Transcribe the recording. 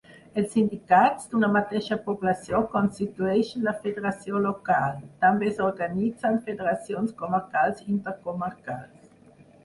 Els sindicats d'una mateixa població constitueixen la federació local; també s'organitzen federacions comarcals i intercomarcals.